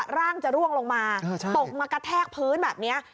ร่างจะร่วงลงมาตกมากระแทกพื้นแบบนี้